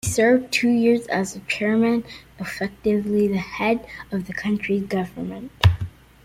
She served two years as chairman, effectively the head of the county's government.